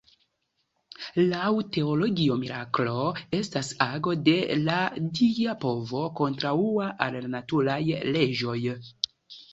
Laŭ Teologio, miraklo estas ago de la dia povo kontraŭa al la naturaj leĝoj.